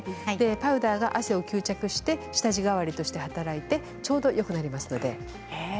パウダーが汗を吸着して下地に働いてちょうどよくなります。